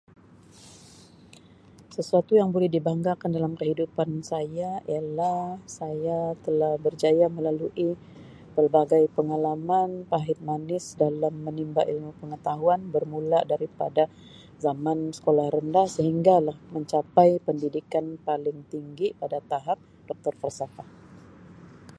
Sesuatu yang boleh dibanggakan dalam kehidupan saya ialah saya telah berjaya melalui pelbagai pengalaman pahit manis dalam menimba ilmu pengetahuan bermula daripada zaman sekolah rendah sehinggalah mencapai pendidikan paling tinggi pada tahap doktor falsafah.